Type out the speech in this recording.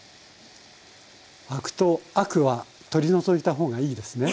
アクと悪は取り除いた方がいいですね？